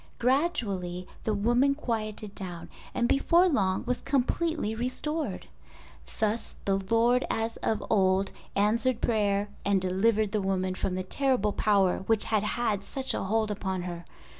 Gradually the woman quieted down and before long was completely restored. Thus the Lord as of old answered prayer and delivered the woman from the terrible power which had had such a hold upon her.